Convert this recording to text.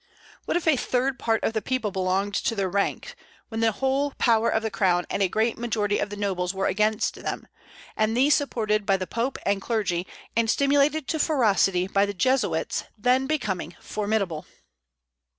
What if a third part of the people belonged to their ranks, when the whole power of the crown and a great majority of the nobles were against them; and these supported by the Pope and clergy, and stimulated to ferocity by the Jesuits, then becoming formidable?